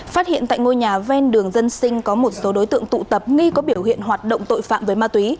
phát hiện tại ngôi nhà ven đường dân sinh có một số đối tượng tụ tập nghi có biểu hiện hoạt động tội phạm với ma túy